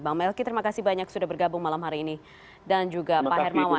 bang melki terima kasih banyak sudah bergabung malam hari ini dan juga pak hermawan